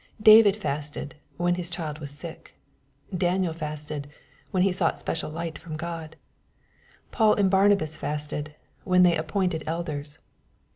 David fasted, when his child was sick. Danie^ fasted, when he sought special light from God. Paul and Barnabas fasted, when they appointed elders.